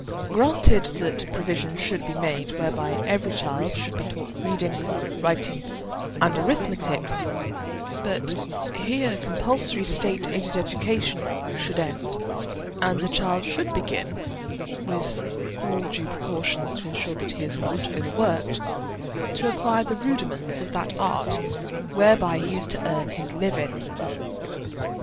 Granted that provision should be made whereby every child should be taught reading, writing, and arithmetic, but here compulsory state aided education should end, and the child should begin (with all due precautions to ensure that he is not overworked) to acquire the rudiments of that art whereby he is to earn his living.